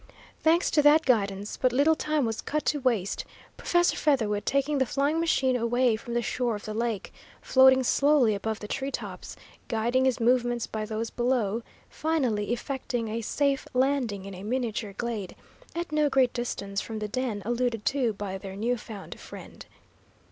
Thanks to that guidance, but little time was cut to waste, Professor Featherwit taking the flying machine away from the shore of the lake, floating slowly above the tree tops, guiding his movements by those below, finally effecting a safe landing in a miniature glade, at no great distance from the "den" alluded to by their new found friend.